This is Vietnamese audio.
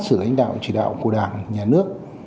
sự lãnh đạo chỉ đạo của đảng nhà nước